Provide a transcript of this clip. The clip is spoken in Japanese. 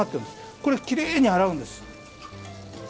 これきれいに洗うんです。